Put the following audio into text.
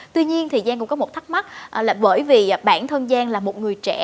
tuy nhiên thì giang cũng có một thắc mắc là bởi vì bản thân giang là một người trẻ